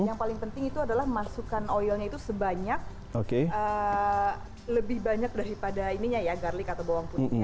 yang paling penting itu adalah masukkan oilnya itu sebanyak lebih banyak daripada ininya ya garlic atau bawang putih